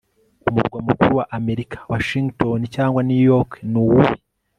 umurwa mukuru wa amerika, washington cyangwa new york ni uwuhe